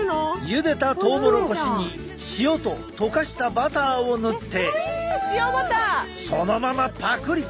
ゆでたトウモロコシに塩と溶かしたバターを塗ってそのままパクリ！